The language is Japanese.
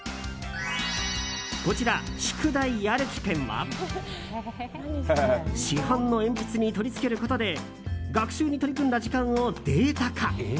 こちら、しゅくだいやる気ペンは市販の鉛筆に取り付けることで学習に取り組んだ時間をデータ化。